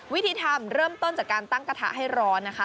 วิธีทำเริ่มต้นจากการตั้งกระทะให้ร้อนนะคะ